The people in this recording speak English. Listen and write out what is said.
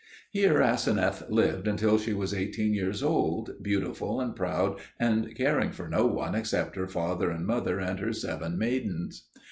Here Aseneth lived until she was eighteen years old, beautiful and proud and caring for no one except her father and mother and her seven maidens.